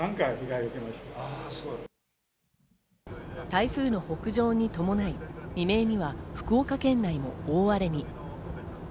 台風の北上に伴い、未明には福岡県内も大荒れに。